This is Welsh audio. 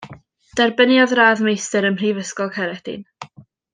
Derbyniodd Radd Meistr ym Mhrifysgol Caeredin.